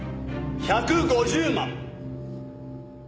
１５０万。